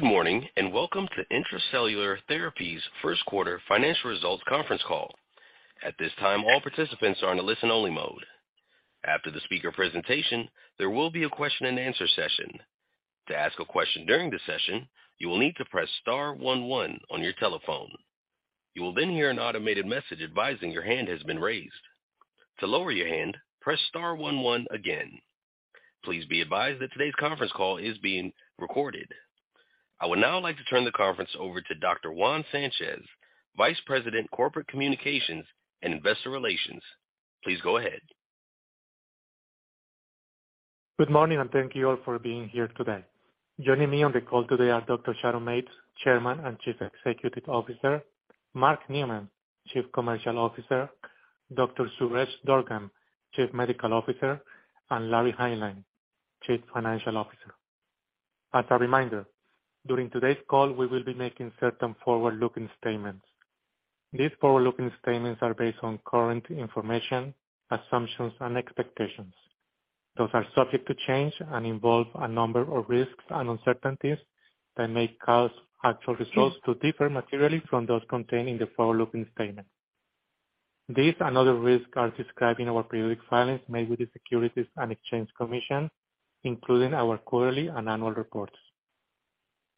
Good morning, and welcome to Intra-Cellular Therapies First Quarter Financial Results Conference Call. At this time, all participants are in a listen-only mode. After the speaker presentation, there will be a question-and-answer session. To ask a question during the session, you will need to press star one one on your telephone. You will then hear an automated message advising your hand has been raised. To lower your hand, press star one one again. Please be advised that today's conference call is being recorded. I would now like to turn the conference over to Dr. Juan Sanchez, Vice President, Corporate Communications and Investor Relations. Please go ahead. Good morning, and thank you all for being here today. Joining me on the call today are Dr. Sharon Mates, Chairman and Chief Executive Officer, Mark Neumann, Chief Commercial Officer, Dr. Suresh Durgam, Chief Medical Officer, and Lawrence Hineline, Chief Financial Officer. As a reminder, during today's call, we will be making certain forward-looking statements. These forward-looking statements are based on current information, assumptions, and expectations. Those are subject to change and involve a number of risks and uncertainties that may cause actual results to differ materially from those contained in the forward-looking statement. These and other risks are described in our periodic filings made with the Securities and Exchange Commission, including our quarterly and annual reports.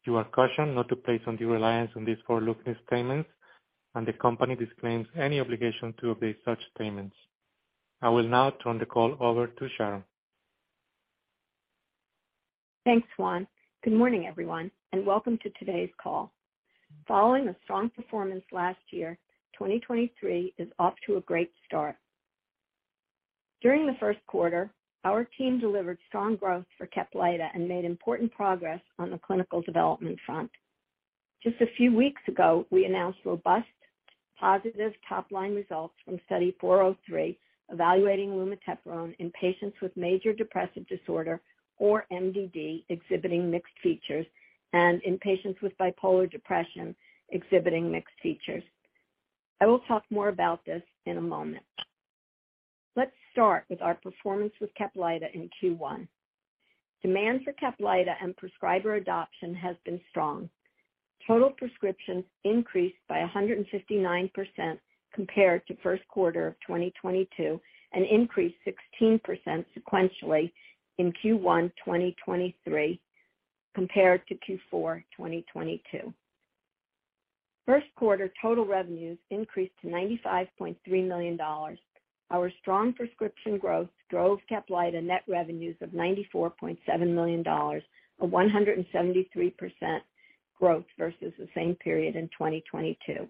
You are cautioned not to place undue reliance on these forward-looking statements, and the company disclaims any obligation to update such statements. I will now turn the call over to Sharon. Thanks, Juan. Welcome to today's call. Following a strong performance last year, 2023 is off to a great start. During the first quarter, our team delivered strong growth for CAPLYTA and made important progress on the clinical development front. Just a few weeks ago, we announced robust positive top-line results from Study 403, evaluating lumateperone in patients with major depressive disorder, or MDD, exhibiting mixed features and in patients with bipolar depression exhibiting mixed features. I will talk more about this in a moment. Let's start with our performance with CAPLYTA in Q1. Demand for CAPLYTA and prescriber adoption has been strong. Total prescriptions increased by 159% compared to first quarter of 2022 and increased 16% sequentially in Q1 2023 compared to Q4 2022. First quarter total revenues increased to $95.3 million. Our strong prescription growth drove CAPLYTA net revenues of $94.7 million, a 173% growth versus the same period in 2022.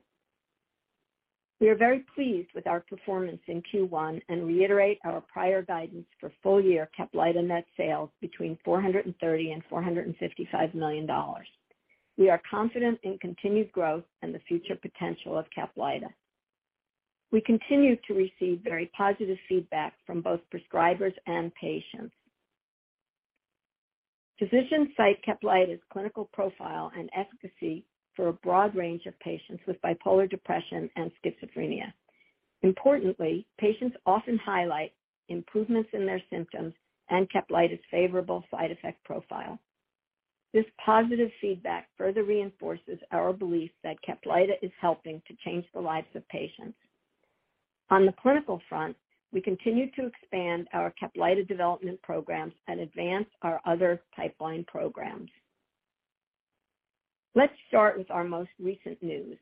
We are very pleased with our performance in Q1 and reiterate our prior guidance for full-year CAPLYTA net sales between $430 million and $455 million. We are confident in continued growth and the future potential of CAPLYTA. We continue to receive very positive feedback from both prescribers and patients. Physicians cite CAPLYTA's clinical profile and efficacy for a broad range of patients with bipolar depression and schizophrenia. Importantly, patients often highlight improvements in their symptoms and CAPLYTA's favorable side effect profile. This positive feedback further reinforces our belief that CAPLYTA is helping to change the lives of patients. On the clinical front, we continue to expand our CAPLYTA development programs and advance our other pipeline programs. Let's start with our most recent news.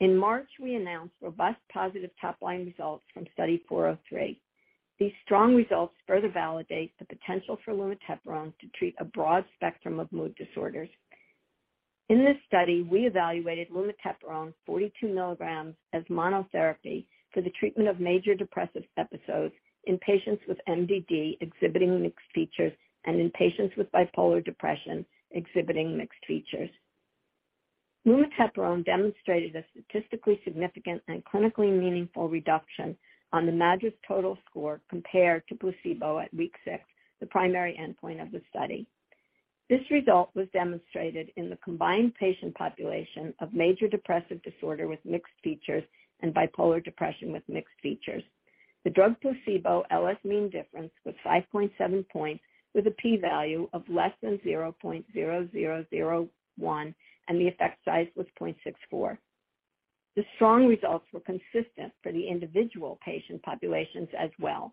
In March, we announced robust positive top-line results from Study 403. These strong results further validate the potential for lumateperone to treat a broad spectrum of mood disorders. In this study, we evaluated lumateperone 42 mg as monotherapy for the treatment of major depressive episodes in patients with MDD exhibiting mixed features and in patients with bipolar depression exhibiting mixed features. Lumateperone demonstrated a statistically significant and clinically meaningful reduction on the MADRS total score compared to placebo at week six, the primary endpoint of the study. This result was demonstrated in the combined patient population of major depressive disorder with mixed features and bipolar depression with mixed features. The drug placebo LS mean difference was 5.7 points with a P value of less than 0.0001, and the effect size was 0.64. The strong results were consistent for the individual patient populations as well.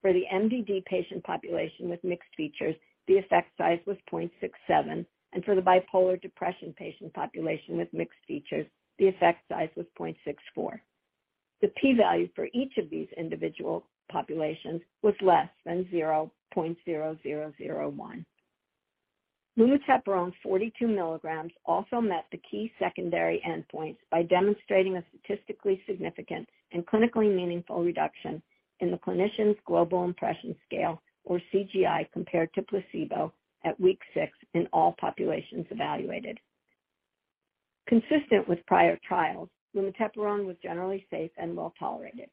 For the MDD patient population with mixed features, the effect size was 0.67, and for the bipolar depression patient population with mixed features, the effect size was 0.64. The P value for each of these individual populations was less than 0.0001. Lumateperone 42 mg also met the key secondary endpoints by demonstrating a statistically significant and clinically meaningful reduction in the Clinical Global Impression Scale, or CGI, compared to placebo at week six in all populations evaluated. Consistent with prior trials, lumateperone was generally safe and well-tolerated.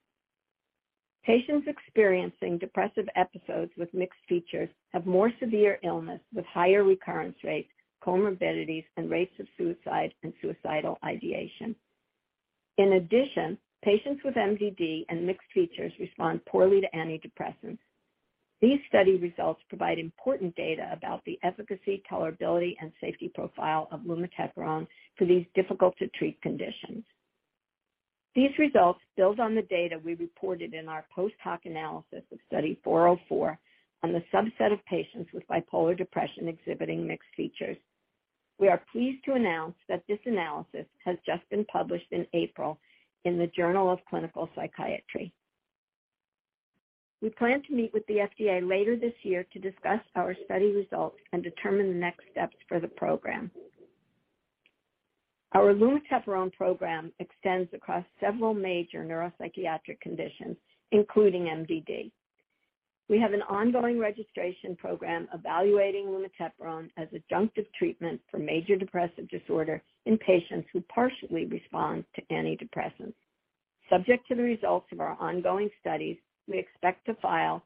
Patients experiencing depressive episodes with mixed features have more severe illness with higher recurrence rates, comorbidities, and rates of suicide and suicidal ideation. In addition, patients with MDD and mixed features respond poorly to antidepressants. These study results provide important data about the efficacy, tolerability, and safety profile of lumateperone for these difficult to treat conditions. These results build on the data we reported in our post-hoc analysis of Study 404 on the subset of patients with bipolar depression exhibiting mixed features. We are pleased to announce that this analysis has just been published in April in The Journal of Clinical Psychiatry. We plan to meet with the FDA later this year to discuss our study results and determine the next steps for the program. Our lumateperone program extends across several major neuropsychiatric conditions, including MDD. We have an ongoing registration program evaluating lumateperone as adjunctive treatment for major depressive disorder in patients who partially respond to antidepressants. Subject to the results of our ongoing studies, we expect to file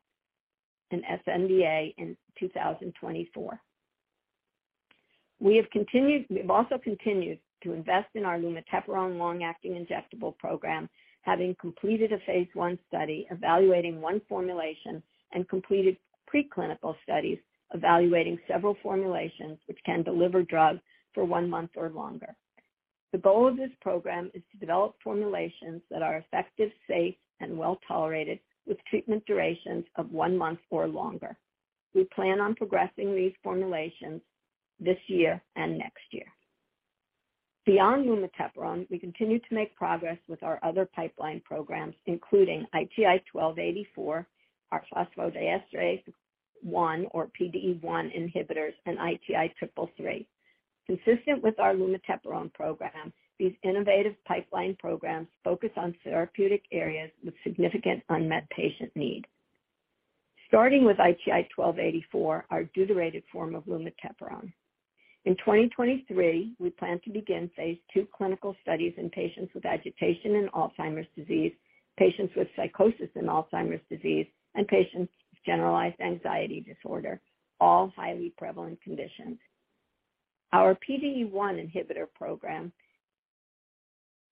an sNDA in 2024. We've also continued to invest in our lumateperone long-acting injectable program, having completed a phase I study evaluating one formulation and completed preclinical studies evaluating several formulations which can deliver drugs for one month or longer. The goal of this program is to develop formulations that are effective, safe, and well-tolerated, with treatment durations of one month or longer. We plan on progressing these formulations this year and next year. Beyond lumateperone, we continue to make progress with our other pipeline programs, including ITI-1284, our phosphodiesterase 1 or PDE1 inhibitors, and ITI-333. Consistent with our lumateperone program, these innovative pipeline programs focus on therapeutic areas with significant unmet patient need. Starting with ITI-1284, our deuterated form of lumateperone. In 2023, we plan to begin phase II clinical studies in patients with agitation and Alzheimer's disease, patients with psychosis and Alzheimer's disease, and patients with generalized anxiety disorder, all highly prevalent conditions. Our PDE1 inhibitor program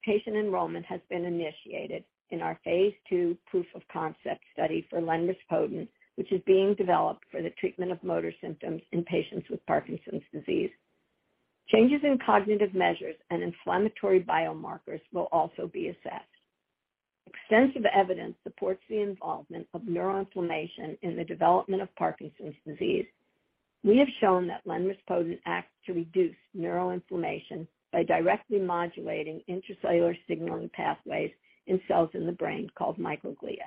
patient enrollment has been initiated in our phase II proof of concept study for lenrispodun, which is being developed for the treatment of motor symptoms in patients with Parkinson's disease. Changes in cognitive measures and inflammatory biomarkers will also be assessed. Extensive evidence supports the involvement of neuroinflammation in the development of Parkinson's disease. We have shown that lenrispodun acts to reduce neuroinflammation by directly modulating intracellular signaling pathways in cells in the brain called microglia.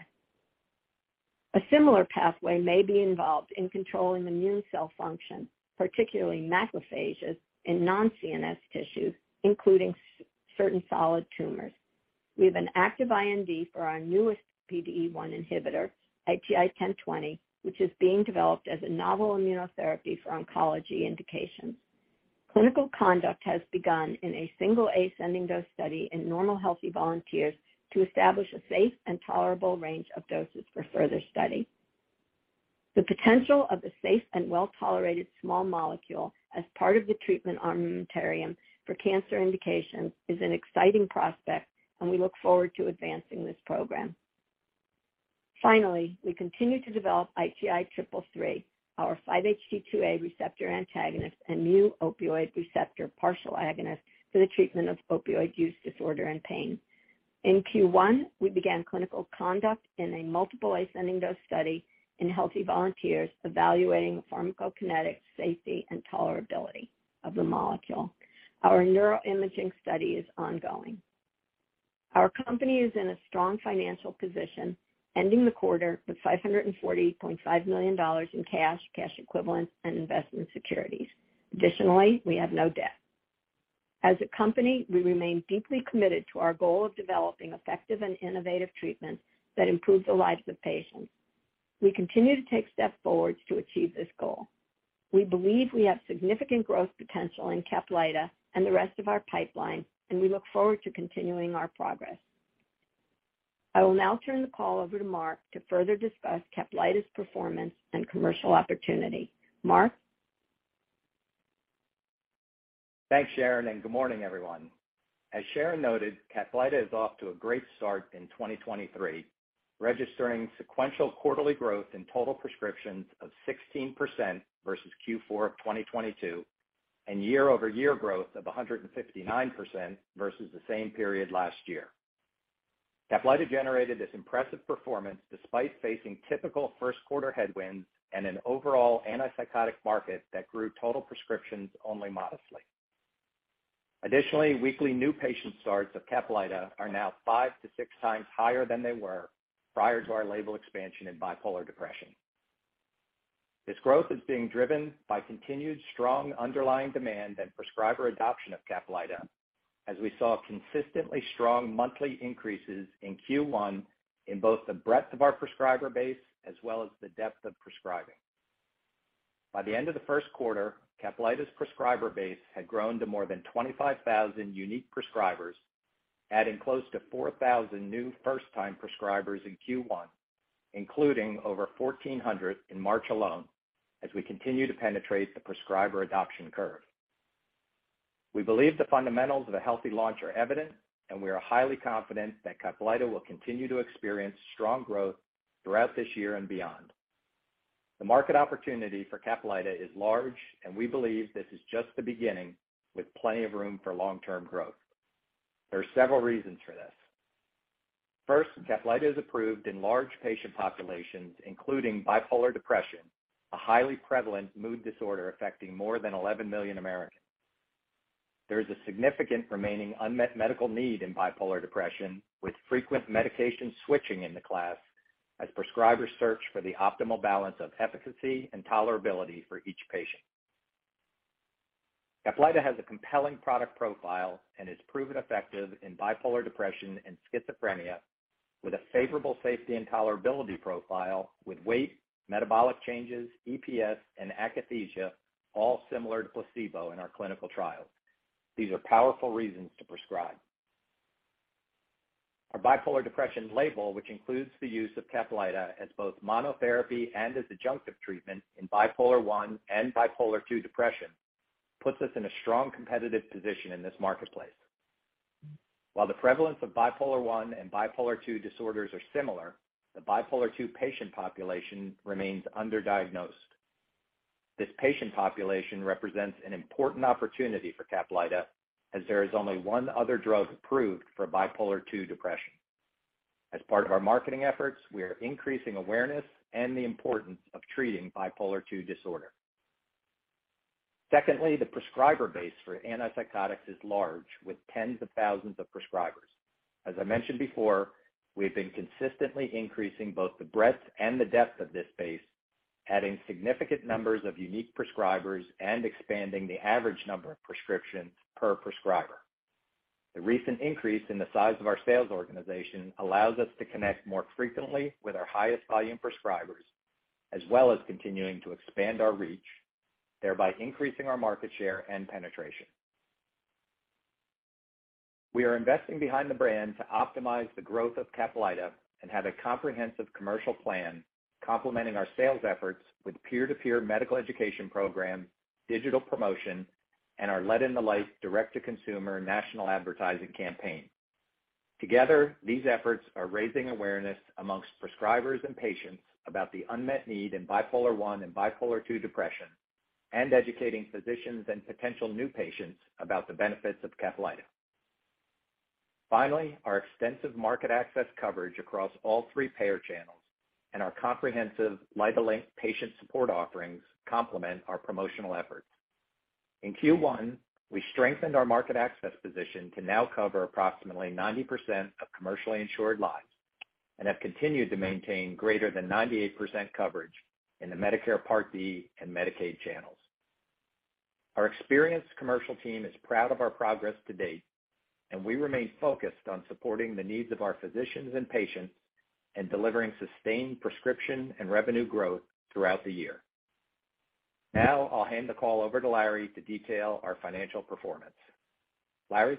A similar pathway may be involved in controlling immune cell function, particularly macrophages in non-CNS tissues, including certain solid tumors. We have an active IND for our newest PDE1 inhibitor, ITI-1020, which is being developed as a novel immunotherapy for oncology indications. Clinical conduct has begun in a single ascending dose study in normal healthy volunteers to establish a safe and tolerable range of doses for further study. The potential of a safe and well-tolerated small molecule as part of the treatment armamentarium for cancer indications is an exciting prospect, and we look forward to advancing this program. Finally, we continue to develop ITI-333, our 5-HT2A receptor antagonist and new opioid receptor partial agonist for the treatment of opioid use disorder and pain. In Q1, we began clinical conduct in a multiple ascending dose study in healthy volunteers, evaluating the pharmacokinetics, safety, and tolerability of the molecule. Our neuroimaging study is ongoing. Our company is in a strong financial position, ending the quarter with $540.5 million in cash equivalents, and investment securities. Additionally, we have no debt. As a company, we remain deeply committed to our goal of developing effective and innovative treatments that improve the lives of patients. We continue to take steps forward to achieve this goal. We believe we have significant growth potential in CAPLYTA and the rest of our pipeline, and we look forward to continuing our progress. I will now turn the call over to Mark to further discuss CAPLYTA's performance and commercial opportunity. Mark? Thanks, Sharon, good morning, everyone. As Sharon noted, CAPLYTA is off to a great start in 2023, registering sequential quarterly growth in total prescriptions of 16% versus Q4 of 2022, and year-over-year growth of 159% versus the same period last year. CAPLYTA generated this impressive performance despite facing typical first quarter headwinds and an overall antipsychotic market that grew total prescriptions only modestly. Additionally, weekly new patient starts of CAPLYTA are now 5x-6x higher than they were prior to our label expansion in bipolar depression. This growth is being driven by continued strong underlying demand and prescriber adoption of CAPLYTA, as we saw consistently strong monthly increases in Q1 in both the breadth of our prescriber base as well as the depth of prescribing. By the end of the first quarter, CAPLYTA's prescriber base had grown to more than 25,000 unique prescribers, adding close to 4,000 new first-time prescribers in Q1, including over 1,400 in March alone. As we continue to penetrate the prescriber adoption curve. We believe the fundamentals of a healthy launch are evident, and we are highly confident that CAPLYTA will continue to experience strong growth throughout this year and beyond. The market opportunity for CAPLYTA is large, and we believe this is just the beginning with plenty of room for long-term growth. There are several reasons for this. First, CAPLYTA is approved in large patient populations, including bipolar depression, a highly prevalent mood disorder affecting more than 11 million Americans. There is a significant remaining unmet medical need in bipolar depression, with frequent medication switching in the class as prescribers search for the optimal balance of efficacy and tolerability for each patient. CAPLYTA has a compelling product profile and is proven effective in bipolar depression and schizophrenia with a favorable safety and tolerability profile with weight, metabolic changes, EPS, and akathisia all similar to placebo in our clinical trials. These are powerful reasons to prescribe. Our bipolar depression label, which includes the use of CAPLYTA as both monotherapy and as adjunctive treatment in bipolar I and bipolar II depression, puts us in a strong competitive position in this marketplace. While the prevalence of bipolar I and bipolar II disorders are similar, the bipolar II patient population remains underdiagnosed. This patient population represents an important opportunity for CAPLYTA as there is only one other drug approved for bipolar II depression. As part of our marketing efforts, we are increasing awareness and the importance of treating bipolar II disorder. Secondly, the prescriber base for antipsychotics is large, with tens of thousands of prescribers. As I mentioned before, we have been consistently increasing both the breadth and the depth of this base, adding significant numbers of unique prescribers and expanding the average number of prescriptions per prescriber. The recent increase in the size of our sales organization allows us to connect more frequently with our highest volume prescribers, as well as continuing to expand our reach, thereby increasing our market share and penetration. We are investing behind the brand to optimize the growth of CAPLYTA and have a comprehensive commercial plan complementing our sales efforts with peer-to-peer medical education programs, digital promotion, and our Let in the Lyte direct-to-consumer national advertising campaign. Together, these efforts are raising awareness amongst prescribers and patients about the unmet need in bipolar I and bipolar II depression and educating physicians and potential new patients about the benefits of CAPLYTA. Finally, our extensive market access coverage across all three payer channels and our comprehensive LYTAlink patient support offerings complement our promotional efforts. In Q1, we strengthened our market access position to now cover approximately 90% of commercially insured lives and have continued to maintain greater than 98% coverage in the Medicare Part D and Medicaid channels. Our experienced commercial team is proud of our progress to date, and we remain focused on supporting the needs of our physicians and patients and delivering sustained prescription and revenue growth throughout the year. Now I'll hand the call over to Larry to detail our financial performance. Larry?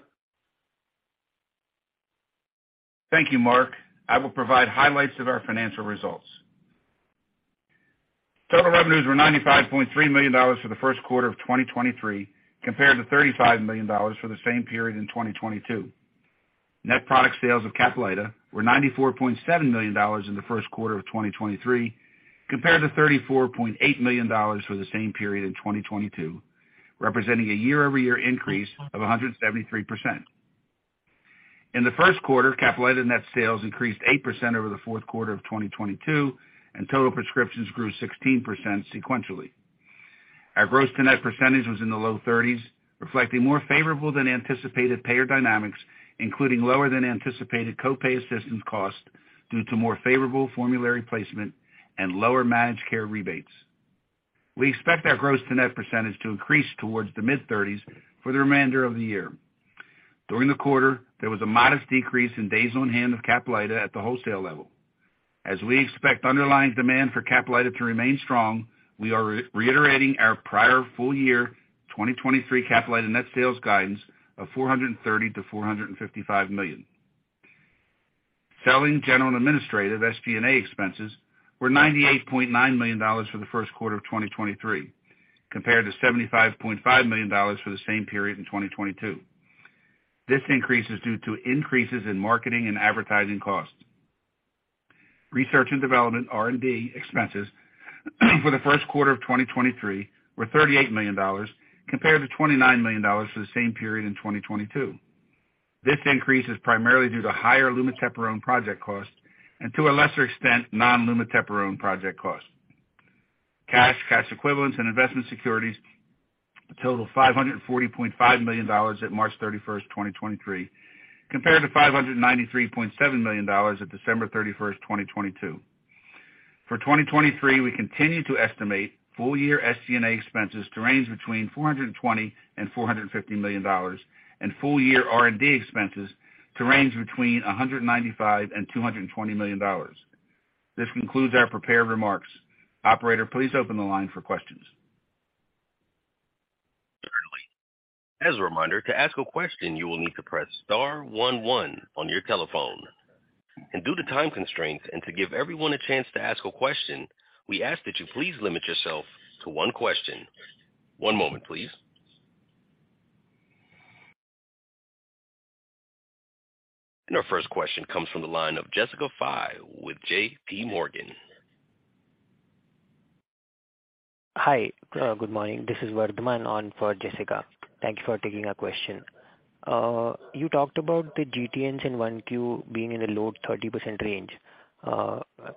Thank you, Mark. I will provide highlights of our financial results. Total revenues were $95.3 million for the first quarter of 2023 compared to $35 million for the same period in 2022. Net product sales of CAPLYTA were $94.7 million in the first quarter of 2023 compared to $34.8 million for the same period in 2022, representing a year-over-year increase of 173%. In the first quarter, CAPLYTA net sales increased 8% over the fourth quarter of 2022, and total prescriptions grew 16% sequentially. Our gross-to-net percentage was in the low 30s, reflecting more favorable than anticipated payer dynamics, including lower than anticipated co-pay assistance costs due to more favorable formulary placement and lower managed care rebates. We expect our gross-to-net percentage to increase towards the mid-30s for the remainder of the year. During the quarter, there was a modest decrease in days on hand of CAPLYTA at the wholesale level. We expect underlying demand for CAPLYTA to remain strong, we are reiterating our prior full year 2023 CAPLYTA net sales guidance of $430 million-$455 million. Selling, general, and administrative, SG&A, expenses were $98.9 million for the first quarter of 2023 compared to $75.5 million for the same period in 2022. This increase is due to increases in marketing and advertising costs. Research and development, R&D, expenses for the first quarter of 2023 were $38 million compared to $29 million for the same period in 2022. This increase is primarily due to higher lumateperone project costs and to a lesser extent, non-lumateperone project costs. Cash, cash equivalents, and investment securities totaled $540.5 million at March 31, 2023 compared to $593.7 million at December 31, 2022. For 2023, we continue to estimate full year SG&A expenses to range between $420 million and $450 million, and full year R&D expenses to range between $195 million and $220 million. This concludes our prepared remarks. Operator, please open the line for questions. As a reminder, to ask a question, you will need to press star one one on your telephone. Due to time constraints and to give everyone a chance to ask a question, we ask that you please limit yourself to one question. One moment, please. Our first question comes from the line of Jessica Fye with JPMorgan. Hi. Good morning. This is Vardiman on for Jessica. Thank you for taking our question. You talked about the GTNs in 1Q being in the low 30% range.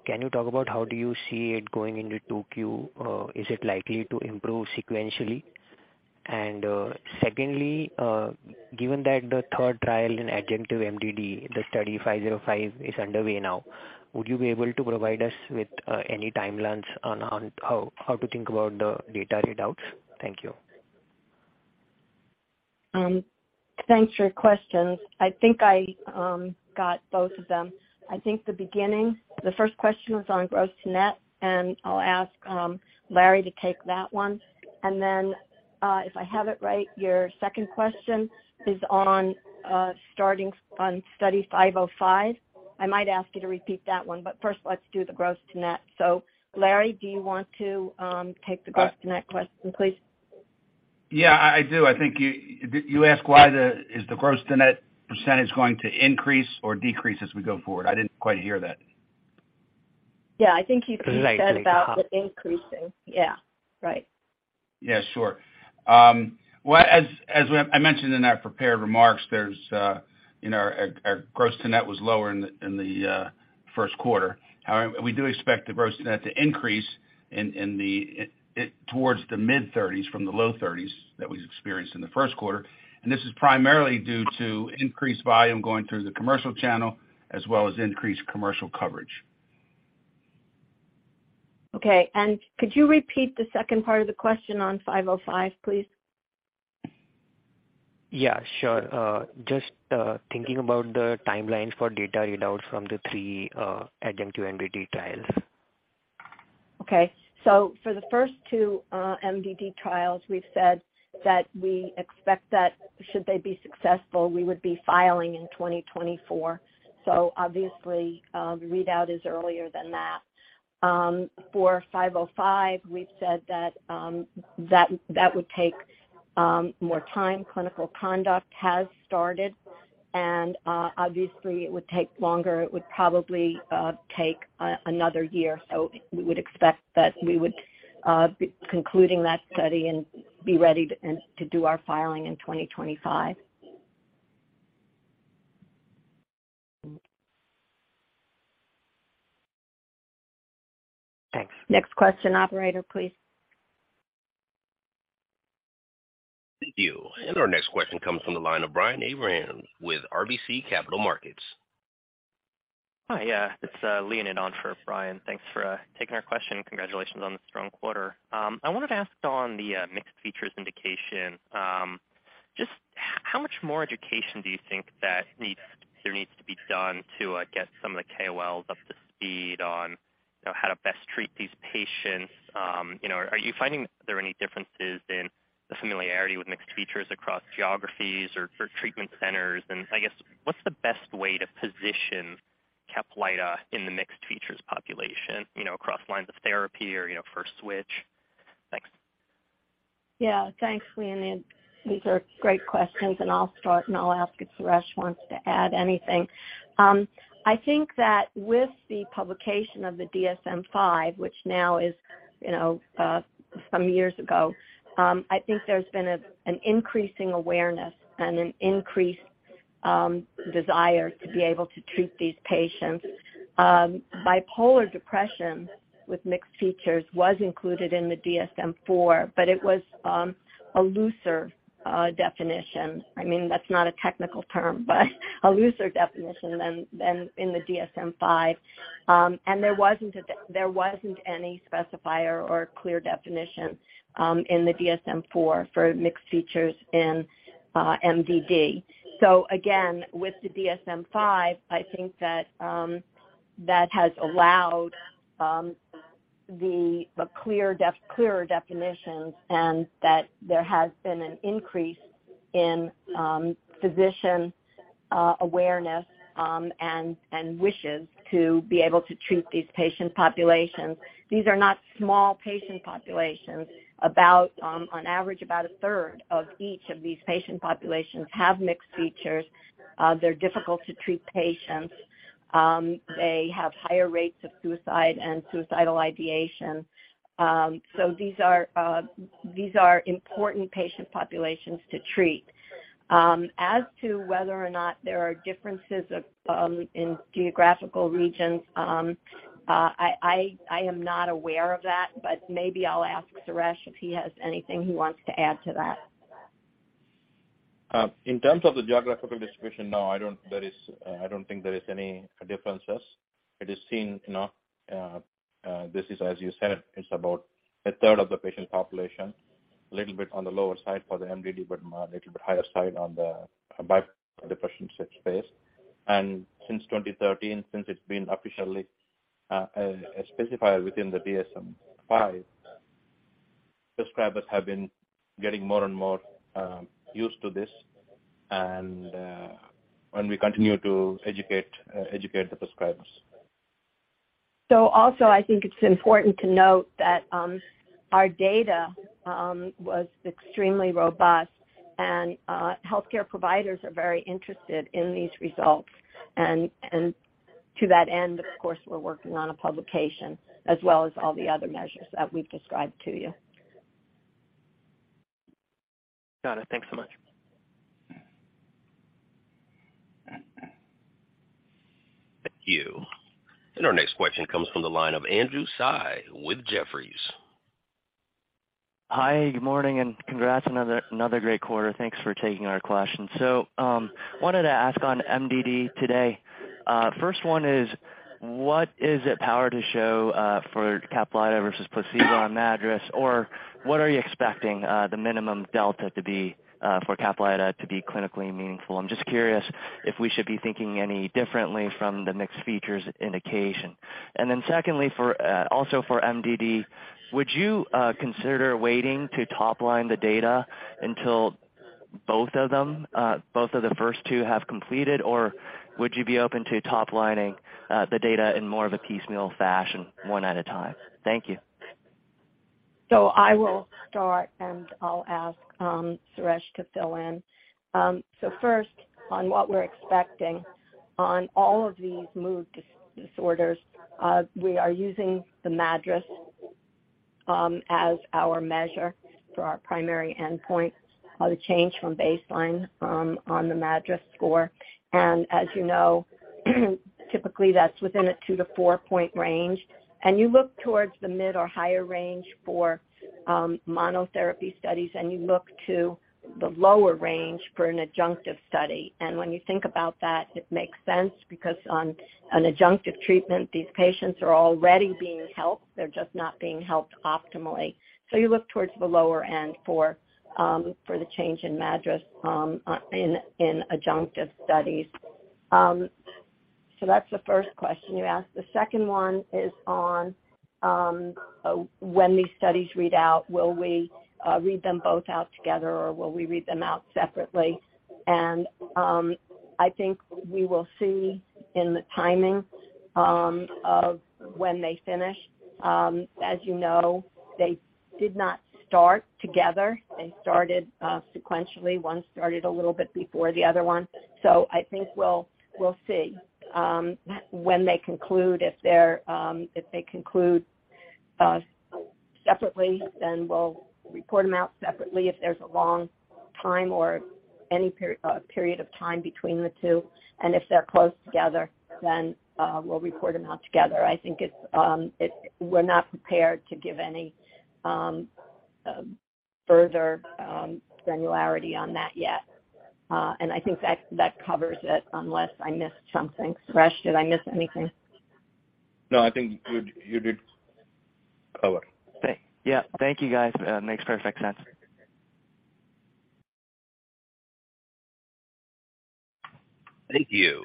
Can you talk about how do you see it going into 2Q? Is it likely to improve sequentially? Secondly, given that the third trial in adjunctive MDD, Study 505, is underway now, would you be able to provide us with any timelines on how to think about the data readouts? Thank you. Thanks for your questions. I think I got both of them. I think the beginning, the first question was on gross-to-net. I'll ask Larry to take that one. Then, if I have it right, your second question is on starting on Study 505. I might ask you to repeat that one, but first let's do the gross-to-net. Larry, do you want to take the gross-to-net question, please? Yeah, I do. I think you asked, is the gross-to-net percentage going to increase or decrease as we go forward? I didn't quite hear that. Yeah, I think you said about the increasing. Right. Yeah. Right. Yeah, sure. Well, as I mentioned in our prepared remarks, you know, our gross-to-net was lower in the first quarter. We do expect the gross-to-net to increase towards the mid-30s% from the low-30s% that we've experienced in the first quarter. This is primarily due to increased volume going through the commercial channel as well as increased commercial coverage. Okay. Could you repeat the second part of the question on Study 505, please? Yeah, sure. Just thinking about the timelines for data readouts from the three adjunctive MDD trials. Okay. For the first two MDD trials, we've said that we expect that should they be successful, we would be filing in 2024. Obviously, the readout is earlier than that. For Study 505, we've said that that would take more time. Clinical conduct has started, and obviously it would take longer. It would probably take another year. We would expect that we would be concluding that study and be ready to do our filing in 2025. Thanks. Next question, operator, please. Thank you. Our next question comes from the line of Brian Abrahams with RBC Capital Markets. Hi. Yeah, it's Leonid on for Brian. Thanks for taking our question. Congratulations on the strong quarter. I wanted to ask on the mixed features indication, just how much more education do you think that needs, there needs to be done to get some of the KOLs up to speed on, you know, how to best treat these patients? You know, are you finding there are any differences in the familiarity with mixed features across geographies or treatment centers? I guess, what's the best way to position CAPLYTA in the mixed features population, you know, across lines of therapy or, you know, for switch? Thanks. Yeah. Thanks, Leonid. These are great questions. I'll start, and I'll ask if Suresh wants to add anything. I think that with the publication of the DSM-5, which now is, you know, some years ago, I think there's been an increasing awareness and an increased desire to be able to treat these patients. Bipolar depression with mixed features was included in the DSM-4, but it was a looser definition. I mean, that's not a technical term, but a looser definition than in the DSM-5. There wasn't any specifier or clear definition in the DSM-4 for mixed features in MDD. Again, with the DSM-5, I think that has allowed the clearer definitions and that there has been an increase in physician awareness and wishes to be able to treat these patient populations. These are not small patient populations. On average, about a third of each of these patient populations have mixed features. They're difficult to treat patients. They have higher rates of suicide and suicidal ideation. These are important patient populations to treat. As to whether or not there are differences in geographical regions, I am not aware of that, but maybe I'll ask Suresh if he has anything he wants to add to that. In terms of the geographical distribution, no, I don't. There is, I don't think there is any differences. It is seen, you know, this is as you said, it's about a third of the patient population, little bit on the lower side for the MDD, but more little bit higher side on the bi-depression space. Since 2013, since it's been officially. A specifier within the DSM-5. Prescribers have been getting more and more used to this and we continue to educate the prescribers. Also I think it's important to note that, our data, was extremely robust and, healthcare providers are very interested in these results. To that end, of course, we're working on a publication as well as all the other measures that we've described to you. Got it. Thanks so much. Thank you. Our next question comes from the line of Andrew Tsai with Jefferies. Hi, good morning, congrats on another great quarter. Thanks for taking our questions. Wanted to ask on MDD today. First one is, what is it power to show for CAPLYTA versus placebo on MADRS? What are you expecting the minimum delta to be for CAPLYTA to be clinically meaningful? I'm just curious if we should be thinking any differently from the mixed features indication. Secondly, for also for MDD, would you consider waiting to top line the data until both of them, both of the first two have completed? Would you be open to top lining the data in more of a piecemeal fashion one at a time? Thank you. I will start, and I'll ask Suresh to fill in. First, on what we're expecting on all of these mood disorders, we are using the MADRS as our measure for our primary endpoint, the change from baseline on the MADRS score. As you know, typically that's within a two to four point range. You look towards the mid or higher range for monotherapy studies, and you look to the lower range for an adjunctive study. When you think about that, it makes sense because on an adjunctive treatment, these patients are already being helped. They're just not being helped optimally. You look towards the lower end for the change in MADRS in adjunctive studies. That's the first question you asked. The second one is on when these studies read out, will we read them both out together, or will we read them out separately? I think we will see in the timing of when they finish. As you know, they did not start together. They started sequentially. One started a little bit before the other one. I think we'll see when they conclude. If they're, if they conclude separately, then we'll report them out separately if there's a long time or any period of time between the two. If they're close together, we'll report them out together. I think it's, We're not prepared to give any further granularity on that yet. I think that covers it unless I missed something. Suresh, did I miss anything? No, I think you did cover. Yeah. Thank you, guys. Makes perfect sense. Thank you.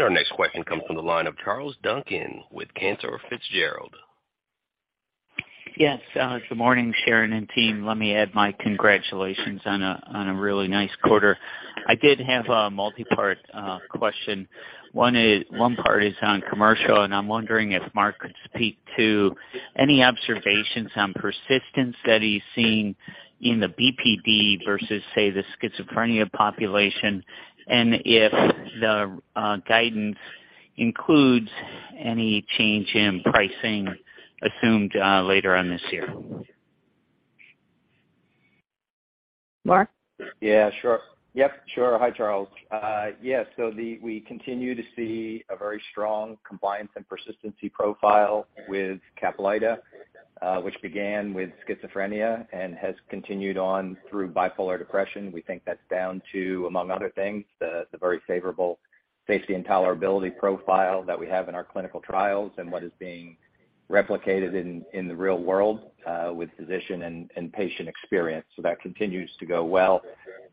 Our next question comes from the line of Charles Duncan with Cantor Fitzgerald. Yes. good morning, Sharon and team. Let me add my congratulations on a really nice quarter. I did have a multipart question. One part is on commercial, and I'm wondering if Mark could speak to any observations on persistence that he's seen in the BPD versus, say, the schizophrenia population, and if the guidance includes any change in pricing assumed later on this year. Mark? Yeah, sure. Yep, sure. Hi, Charles. Yes. We continue to see a very strong compliance and persistency profile with CAPLYTA, which began with schizophrenia and has continued on through bipolar depression. We think that's down to, among other things, the very favorable safety and tolerability profile that we have in our clinical trials and what is being replicated in the real world, with physician and patient experience. That continues to go well.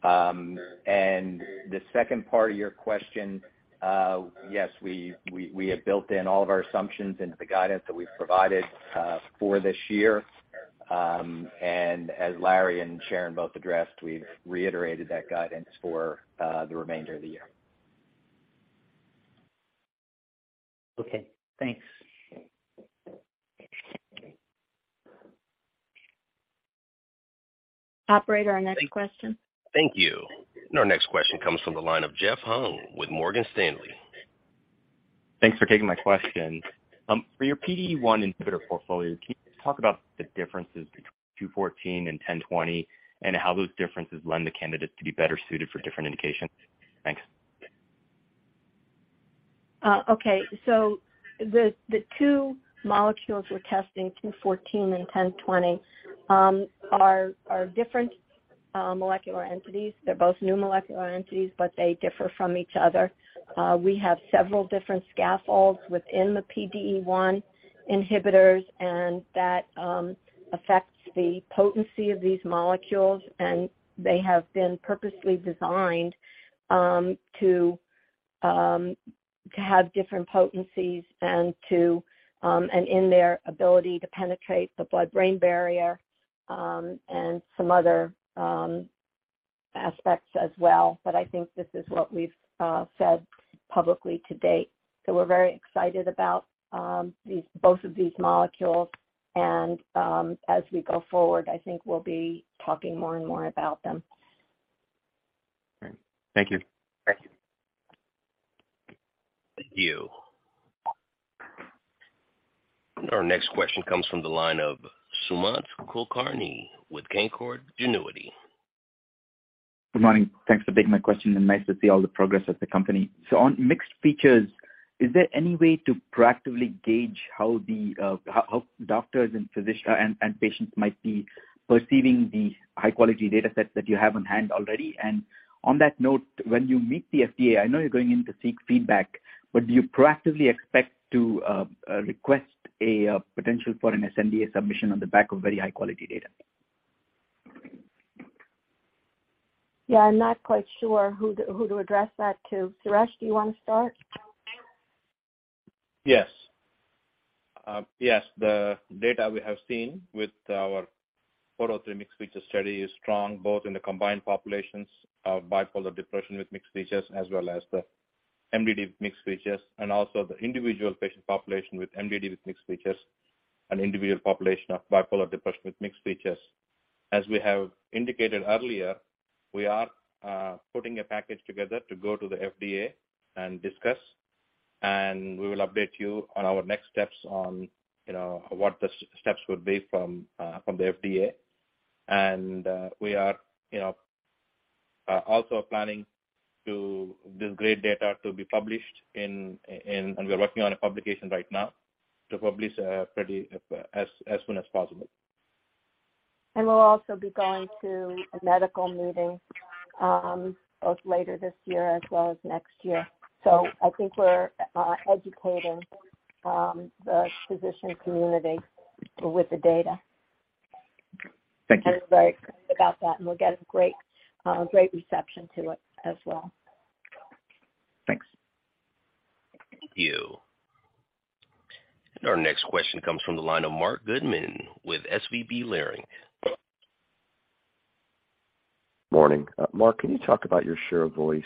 The second part of your question, yes, we have built in all of our assumptions into the guidance that we've provided for this year. As Larry and Sharon both addressed, we've reiterated that guidance for the remainder of the year. Okay, thanks. Operator, our next question. Thank you. Our next question comes from the line of Jeff Hung with Morgan Stanley. Thanks for taking my questions. For your PDE1 inhibitor portfolio, can you talk about the differences between 214 and 1020 and how those differences lend the candidates to be better suited for different indications? Thanks. Okay. The two molecules we're testing, ITI-214 and ITI-1020, are different molecular entities. They're both new molecular entities, but they differ from each other. We have several different scaffolds within the PDE1 inhibitors and that affects the potency of these molecules, and they have been purposely designed to have different potencies and to and in their ability to penetrate the blood-brain barrier, and some other aspects as well. I think this is what we've said publicly to date. We're very excited about both of these molecules. As we go forward, I think we'll be talking more and more about them. All right. Thank you. Thank you. Thank you. Our next question comes from the line of Sumant Kulkarni with Canaccord Genuity. Good morning. Thanks for taking my question and nice to see all the progress of the company. On mixed features, is there any way to proactively gauge how the how doctors and physicians and patients might be perceiving the high-quality data sets that you have on hand already? On that note, when you meet the FDA, I know you're going in to seek feedback, but do you proactively expect to request a potential for an sNDA submission on the back of very high quality data? I'm not quite sure who to address that to. Suresh, do you wanna start? Yes. Yes. The data we have seen with our Study 403 mixed features study is strong both in the combined populations of bipolar depression with mixed features as well as the MDD mixed features and also the individual patient population with MDD with mixed features, an individual population of bipolar depression with mixed features. As we have indicated earlier, we are putting a package together to go to the FDA and discuss. We will update you on our next steps on, you know, what the steps would be from the FDA. We are, you know, also planning to this great data to be published. We are working on a publication right now to publish pretty as soon as possible. We'll also be going to a medical meeting, both later this year as well as next year. I think we're educating the physician community with the data. Thank you. we're very excited about that, and we'll get a great reception to it as well. Thanks. Thank you. Our next question comes from the line of Marc Goodman with SVB Leerink. Morning. Mark Neumann, can you talk about your share of voice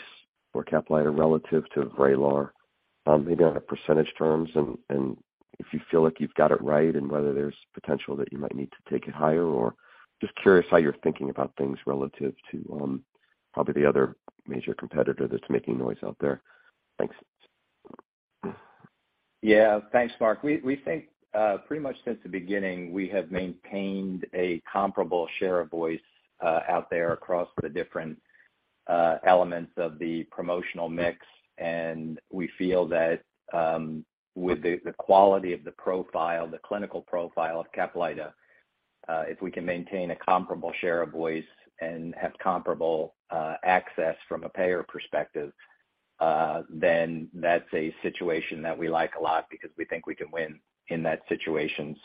for CAPLYTA relative to Vraylar, maybe on a % terms, and if you feel like you've got it right and whether there's potential that you might need to take it higher or just curious how you're thinking about things relative to probably the other major competitor that's making noise out there. Thanks. Yeah. Thanks, Marc. We think pretty much since the beginning, we have maintained a comparable share of voice, out there across the different elements of the promotional mix. We feel that, with the quality of the profile, the clinical profile of CAPLYTA, if we can maintain a comparable share of voice and have comparable access from a payer perspective, that's a situation that we like a lot because we think we can win in that situation.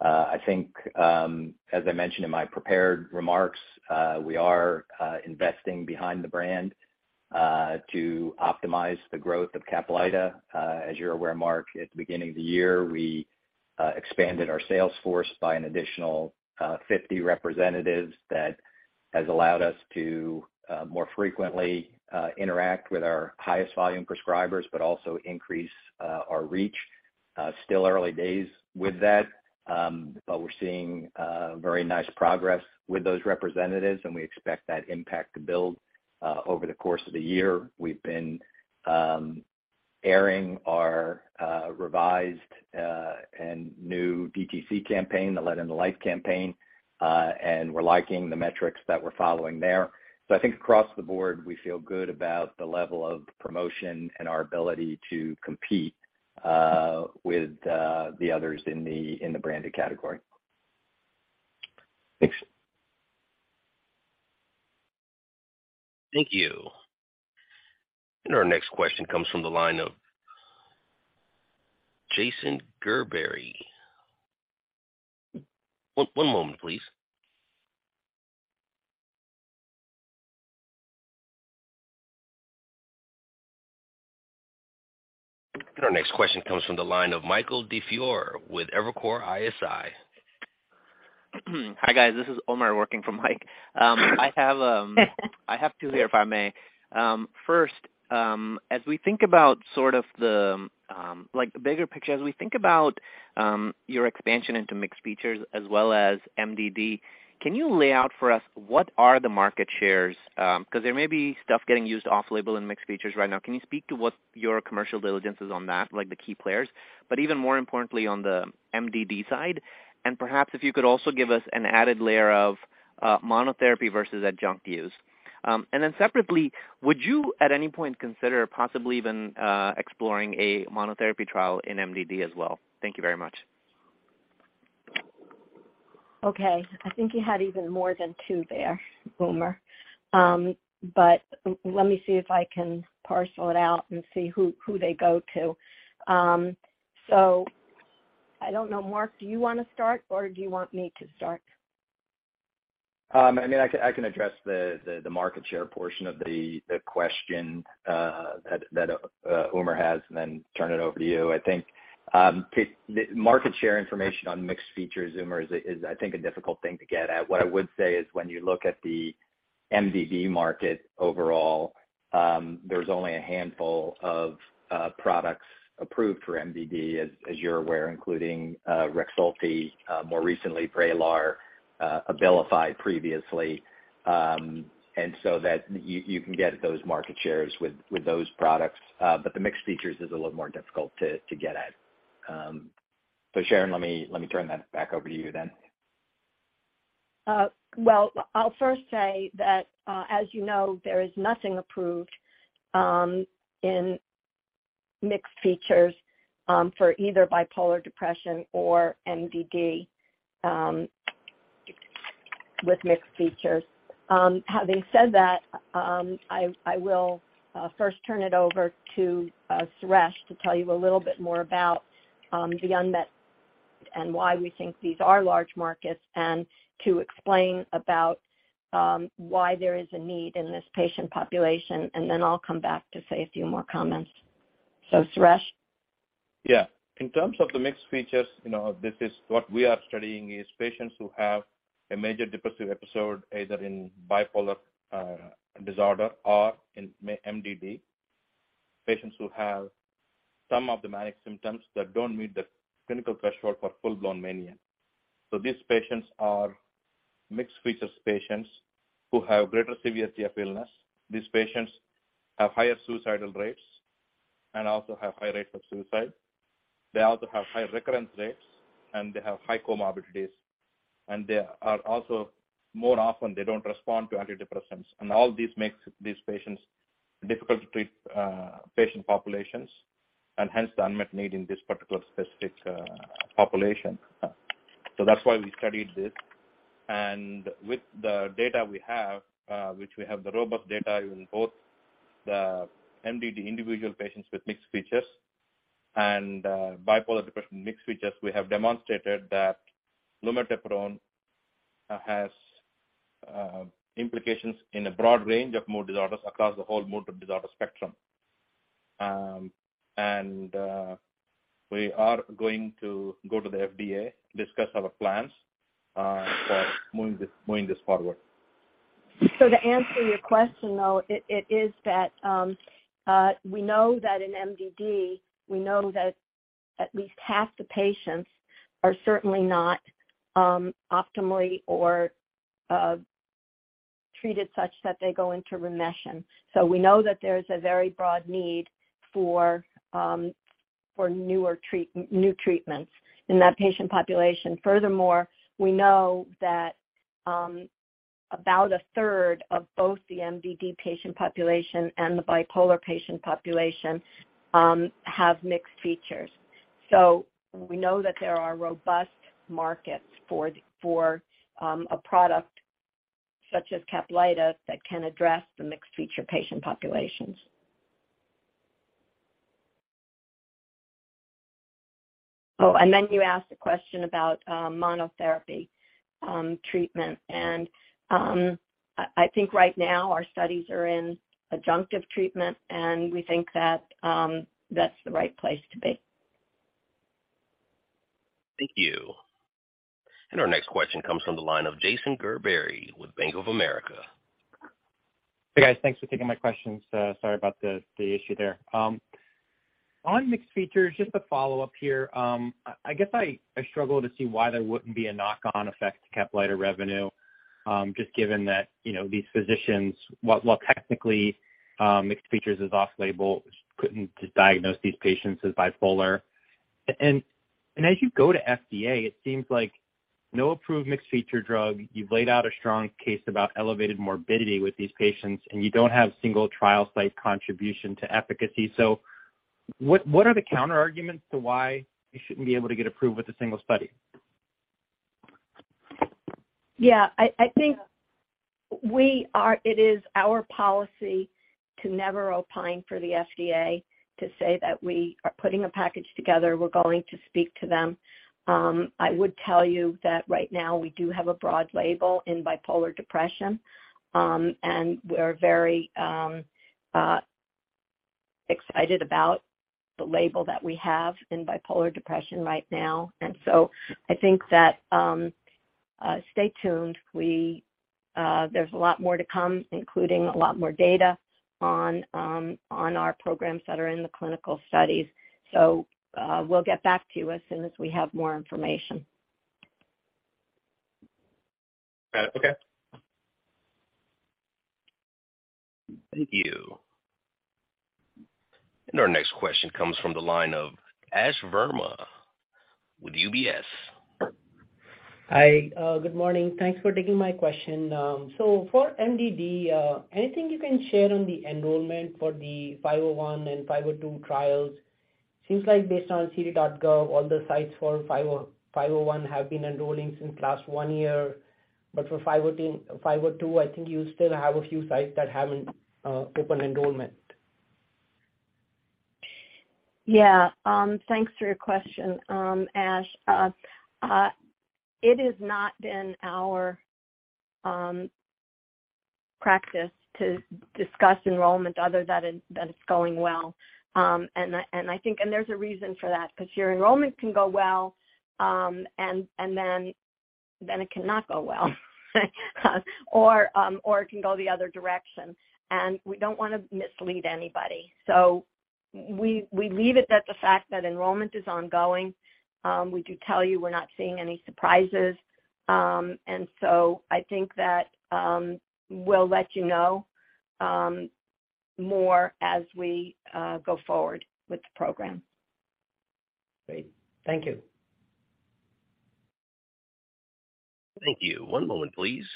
I think, as I mentioned in my prepared remarks, we are investing behind the brand to optimize the growth of CAPLYTA. As you're aware, Marc, at the beginning of the year, we expanded our sales force by an additional 50 representatives that has allowed us to more frequently interact with our highest volume prescribers, but also increase our reach. Still early days with that, but we're seeing very nice progress with those representatives, and we expect that impact to build over the course of the year. We've been airing our revised and new DTC campaign, the Let in the Lyte campaign, and we're liking the metrics that we're following there. I think across the board, we feel good about the level of promotion and our ability to compete with the others in the branded category. Thanks. Thank you. Our next question comes from the line of Jason Gerberry. One moment, please. Our next question comes from the line of Michael DiFiore with Evercore ISI. Hi, guys. This is Umer working for Mike. I have two here, if I may. First, as we think about sort of the, like, the bigger picture, as we think about your expansion into mixed features as well as MDD, can you lay out for us what are the market shares? 'Cause there may be stuff getting used off-label and mixed features right now. Can you speak to what your commercial diligence is on that, like the key players, but even more importantly on the MDD side? Perhaps if you could also give us an added layer of monotherapy versus adjunct use. Separately, would you at any point consider possibly even exploring a monotherapy trial in MDD as well? Thank you very much. Okay. I think you had even more than two there, Umer. Let me see if I can parcel it out and see who they go to. I don't know. Mark, do you wanna start, or do you want me to start? I mean, I can address the market share portion of the question that Umer has and then turn it over to you. I think the market share information on mixed features, Umer, is I think a difficult thing to get at. What I would say is when you look at the MDD market overall, there's only a handful of products approved for MDD, as you're aware, including Rexulti, more recently Vraylar, Abilify previously. That you can get those market shares with those products. The mixed features is a little more difficult to get at. Sharon, let me turn that back over to you then. Well, I'll first say that, as you know, there is nothing approved, in mixed features, for either bipolar depression or MDD, with mixed features. Having said that, I will first turn it over to Suresh to tell you a little bit more about the unmet and why we think these are large markets, and to explain about why there is a need in this patient population, and then I'll come back to say a few more comments. Suresh? Yeah. In terms of the mixed features, you know, this is what we are studying is patients who have a major depressive episode, either in bipolar disorder or in MDD. Patients who have some of the manic symptoms that don't meet the clinical threshold for full-blown mania. These patients are mixed features patients who have greater severity of illness. These patients have higher suicidal rates and also have high rates of suicide. They also have high recurrence rates, and they have high comorbidities. They are also, more often they don't respond to antidepressants. All these makes these patients difficult to treat patient populations and hence the unmet need in this particular specific population. That's why we studied this. With the data we have, which we have the robust data in both the MDD individual patients with mixed features and bipolar depression mixed features, we have demonstrated that lumateperone has implications in a broad range of mood disorders across the whole mood disorder spectrum. We are going to go to the FDA, discuss our plans for moving this forward. To answer your question, though, it is that we know that in MDD, we know that at least half the patients are certainly not optimally or treated such that they go into remission. We know that there's a very broad need for new treatments in that patient population. Furthermore, we know that about a third of both the MDD patient population and the bipolar patient population have mixed features. We know that there are robust markets for a product such as CAPLYTA that can address the mixed feature patient populations. You asked a question about monotherapy treatment. I think right now our studies are in adjunctive treatment, and we think that that's the right place to be. Thank you. Our next question comes from the line of Jason Gerberry with Bank of America. Hey, guys. Thanks for taking my questions. Sorry about the issue there. On mixed features, just a follow-up here. I guess I struggle to see why there wouldn't be a knock-on effect to CAPLYTA revenue, just given that, you know, these physicians, while technically, mixed features is off-label, couldn't diagnose these patients as bipolar. As you go to FDA, it seems like no approved mixed feature drug, you've laid out a strong case about elevated morbidity with these patients, and you don't have single trial site contribution to efficacy. What are the counterarguments to why you shouldn't be able to get approved with a single study? Yeah. I think it is our policy to never opine for the FDA to say that we are putting a package together, we're going to speak to them. I would tell you that right now we do have a broad label in bipolar depression, and we're very excited about the label that we have in bipolar depression right now. I think that stay tuned. There's a lot more to come, including a lot more data on our programs that are in the clinical studies. We'll get back to you as soon as we have more information. okay. Thank you. Our next question comes from the line of Ash Verma with UBS. Hi. Good morning. Thanks for taking my question. For MDD, anything you can share on the enrollment for the 501 and 502 trials? Seems like based on ClinicalTrials.gov, all the sites for Study 501 have been enrolling since last one year. For Study 502, I think you still have a few sites that haven't open enrollment. Yeah. Thanks for your question, Ash. It has not been our practice to discuss enrollment other that it's going well. There's a reason for that, 'cause your enrollment can go well, and then it cannot go well. Or it can go the other direction. We don't wanna mislead anybody. We leave it at the fact that enrollment is ongoing. We do tell you we're not seeing any surprises. I think that we'll let you know more as we go forward with the program. Great. Thank you. Thank you. One moment please.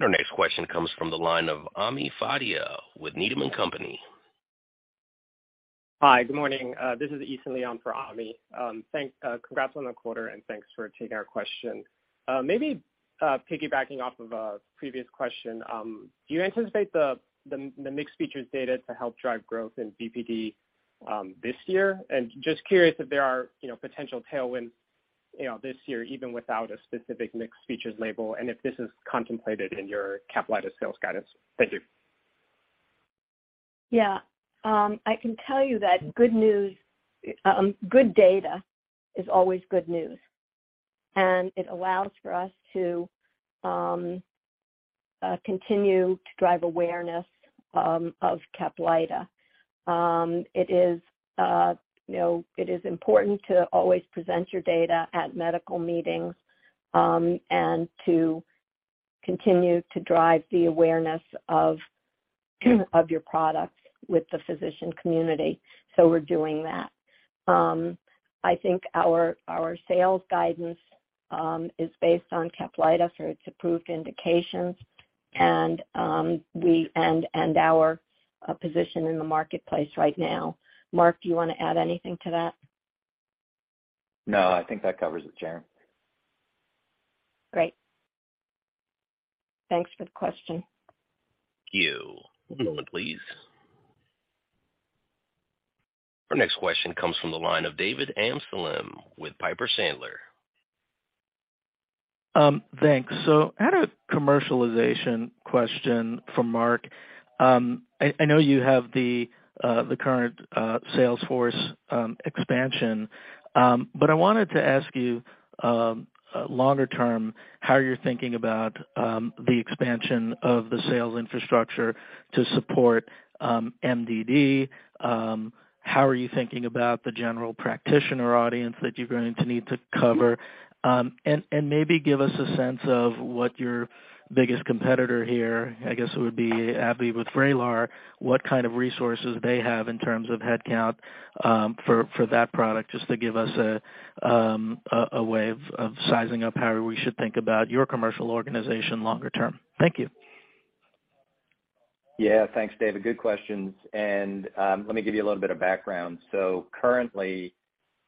Our next question comes from the line of Ami Fadia with Needham & Company. Hi. Good morning. This is Ethan Leon for Ami. Thanks, congrats on the quarter, and thanks for taking our question. Maybe, piggybacking off of a previous question, do you anticipate the mixed features data to help drive growth in BPD this year? Just curious if there are, you know, potential tailwinds, you know, this year, even without a specific mixed features label, and if this is contemplated in your CAPLYTA sales guidance. Thank you. I can tell you that good news, good data is always good news, and it allows for us to continue to drive awareness of CAPLYTA. It is, you know, it is important to always present your data at medical meetings and to continue to drive the awareness of your product with the physician community. We're doing that. I think our sales guidance is based on CAPLYTA for its approved indications and our position in the marketplace right now. Mark, do you want to add anything to that? No, I think that covers it, Sharon. Great. Thanks for the question. Thank you. One moment, please. Our next question comes from the line of David Amsellem with Piper Sandler. Thanks. I had a commercialization question for Mark. I know you have the current sales force expansion. I wanted to ask you, longer term, how you're thinking about the expansion of the sales infrastructure to support MDD. How are you thinking about the general practitioner audience that you're going to need to cover? Maybe give us a sense of what your biggest competitor here, I guess it would be AbbVie with Vraylar, what kind of resources they have in terms of headcount for that product, just to give us a way of sizing up how we should think about your commercial organization longer term. Thank you. Yeah. Thanks, David. Good questions. Let me give you a little bit of background. Currently,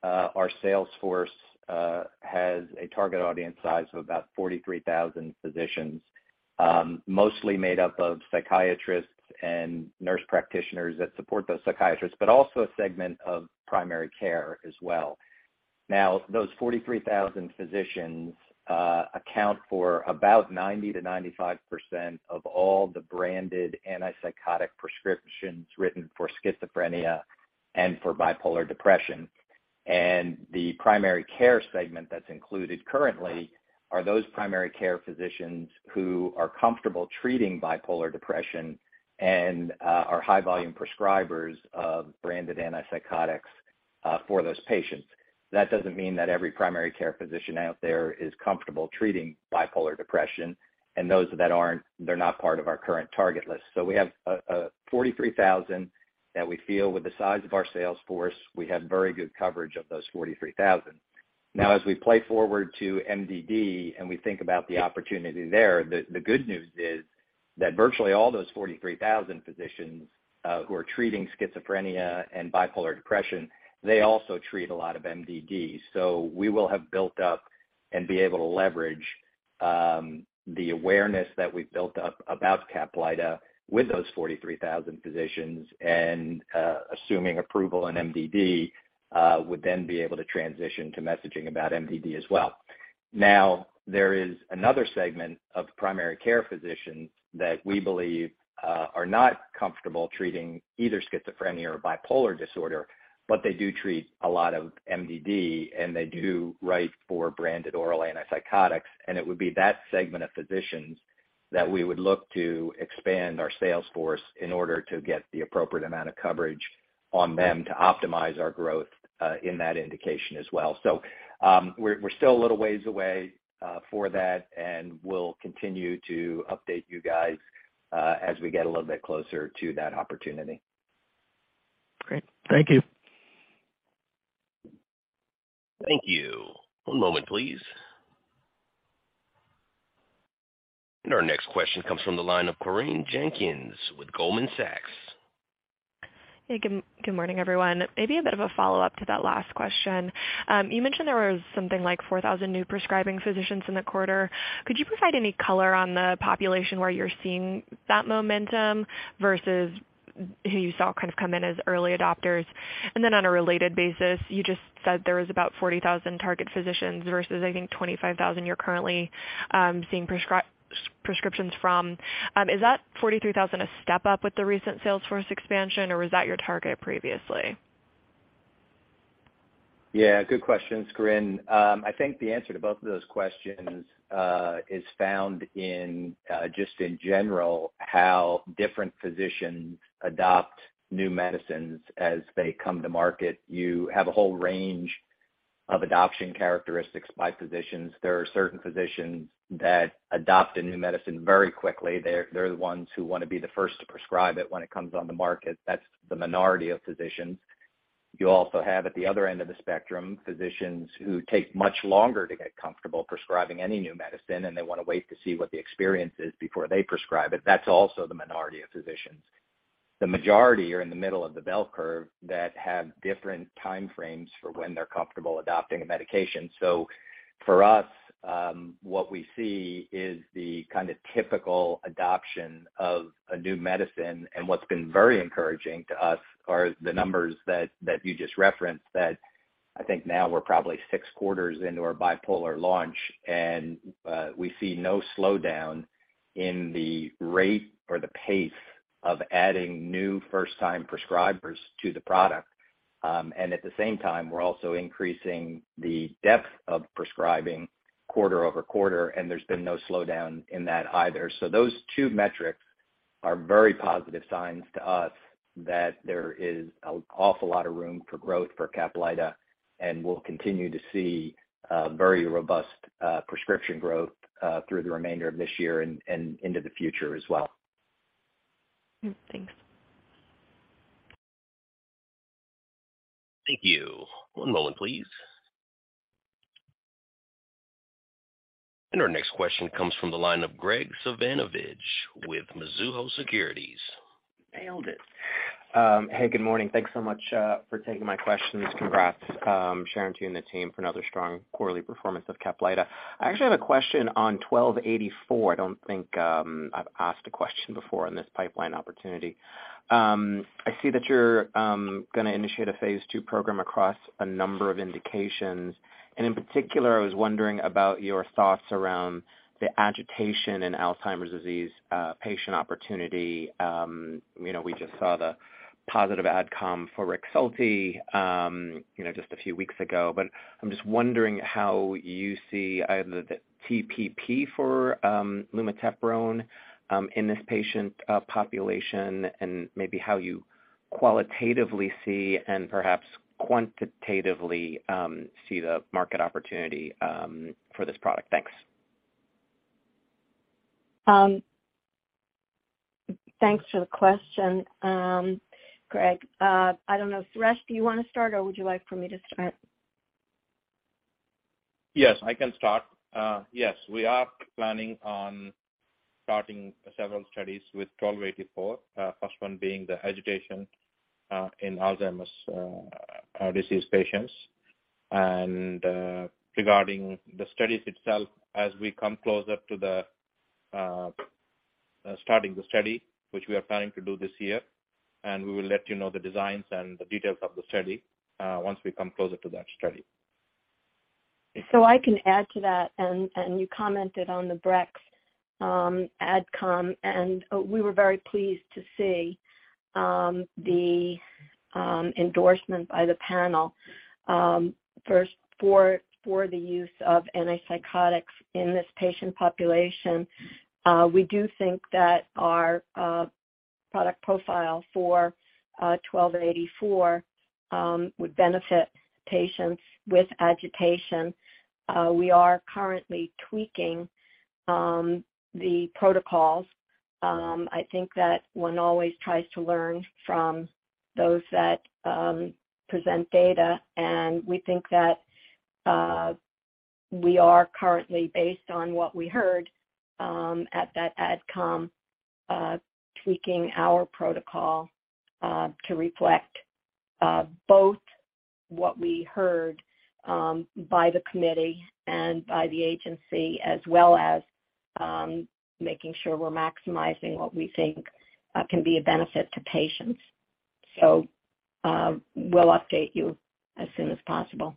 our sales force has a target audience size of about 43,000 physicians, mostly made up of psychiatrists and nurse practitioners that support those psychiatrists, but also a segment of primary care as well. Those 43,000 physicians account for about 90%-95% of all the branded antipsychotic prescriptions written for schizophrenia and for bipolar depression. The primary care segment that's included currently are those primary care physicians who are comfortable treating bipolar depression and are high volume prescribers of branded antipsychotics for those patients. That doesn't mean that every primary care physician out there is comfortable treating bipolar depression. Those that aren't, they're not part of our current target list. We have 43,000 that we feel with the size of our sales force, we have very good coverage of those 43,000. As we play forward to MDD, and we think about the opportunity there, the good news is that virtually all those 43,000 physicians who are treating schizophrenia and bipolar depression, they also treat a lot of MDD. We will have built up and be able to leverage the awareness that we've built up about CAPLYTA with those 43,000 physicians and, assuming approval in MDD, would then be able to transition to messaging about MDD as well. There is another segment of primary care physicians that we believe are not comfortable treating either schizophrenia or bipolar disorder, but they do treat a lot of MDD, and they do write for branded oral antipsychotics. It would be that segment of physicians that we would look to expand our sales force in order to get the appropriate amount of coverage on them to optimize our growth in that indication as well. We're still a little ways away for that, and we'll continue to update you guys as we get a little bit closer to that opportunity. Great. Thank you. Thank you. One moment, please. Our next question comes from the line of Corinne Jenkins with Goldman Sachs. Hey, good morning, everyone. Maybe a bit of a follow-up to that last question. You mentioned there was something like 4,000 new prescribing physicians in the quarter. Could you provide any color on the population where you're seeing that momentum versus who you saw kind of come in as early adopters? On a related basis, you just said there was about 40,000 target physicians versus I think 25,000 you're currently seeing prescriptions from. Is that 43,000 a step up with the recent sales force expansion or was that your target previously? Good questions, Corinne. I think the answer to both of those questions is found in just in general, how different physicians adopt new medicines as they come to market. You have a whole range of adoption characteristics by physicians. There are certain physicians that adopt a new medicine very quickly. They're the ones who wanna be the first to prescribe it when it comes on the market. That's the minority of physicians. You also have, at the other end of the spectrum, physicians who take much longer to get comfortable prescribing any new medicine, and they wanna wait to see what the experience is before they prescribe it. That's also the minority of physicians. The majority are in the middle of the bell curve that have different time frames for when they're comfortable adopting a medication. For us, what we see is the kinda typical adoption of a new medicine. What's been very encouraging to us are the numbers that you just referenced that I think now we're probably six quarters into our bipolar launch, and we see no slowdown in the rate or the pace of adding new first time prescribers to the product. At the same time, we're also increasing the depth of prescribing quarter-over-quarter, and there's been no slowdown in that either. Those two metrics are very positive signs to us that there is an awful lot of room for growth for CAPLYTA, and we'll continue to see very robust prescription growth through the remainder of this year and into the future as well. Thanks. Thank you. One moment, please. Our next question comes from the line of Graig Suvannavejh with Mizuho Securities. Nailed it. Hey, good morning. Thanks so much for taking my questions. Congrats, Sharon, to you and the team for another strong quarterly performance of CAPLYTA. I actually have a question on 1284. I don't think I've asked a question before on this pipeline opportunity. I see that you're gonna initiate a phase II program across a number of indications. In particular, I was wondering about your thoughts around the agitation in Alzheimer's disease patient opportunity. You know, we just saw the positive AdComm for Rexulti, you know, just a few weeks ago, but I'm just wondering how you see either the TPP for lumateperone in this patient population and maybe how you qualitatively see and perhaps quantitatively see the market opportunity for this product. Thanks. Thanks for the question, Graig. I don't know. Suresh, do you wanna start, or would you like for me to start? Yes, I can start. Yes, we are planning on starting several studies with 1284, first one being the agitation, in Alzheimer's disease patients. Regarding the studies itself, as we come closer to the, starting the study, which we are planning to do this year, we will let you know the designs and the details of the study, once we come closer to that study. I can add to that. You commented on the Brex AdComm, and we were very pleased to see the endorsement by the panel first for the use of antipsychotics in this patient population. We do think that our product profile for ITI-1284 would benefit patients with agitation. We are currently tweaking the protocols. I think that one always tries to learn from those that present data, and we think that we are currently based on what we heard at that AdComm, tweaking our protocol to reflect both what we heard by the committee and by the agency, as well as making sure we're maximizing what we think can be a benefit to patients. We'll update you as soon as possible.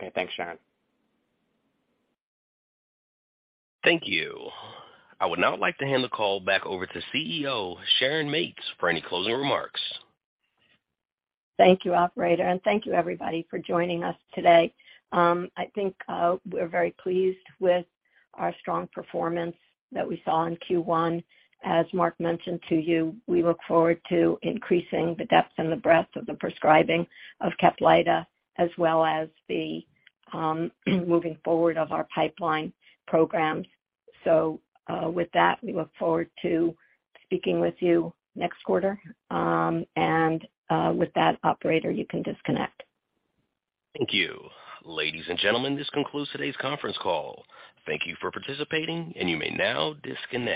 Okay. Thanks, Sharon. Thank you. I would now like to hand the call back over to CEO, Sharon Mates, for any closing remarks. Thank you, operator, and thank you everybody for joining us today. I think we're very pleased with our strong performance that we saw in Q1. As Mark mentioned to you, we look forward to increasing the depth and the breadth of the prescribing of CAPLYTA as well as the moving forward of our pipeline programs. With that, we look forward to speaking with you next quarter. With that, operator, you can disconnect. Thank you. Ladies and gentlemen, this concludes today's conference call. Thank you for participating, and you may now disconnect.